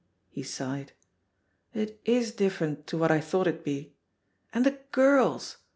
He sighed. "It is different to what I thought it'd be. And the girls!